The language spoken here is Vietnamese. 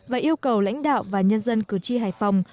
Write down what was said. và yêu cầu lãnh đạo và nhân dân cử tri hải phòng